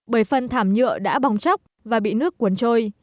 bởi phần thảm nhựa đã bong chóc và bị nước cuốn trôi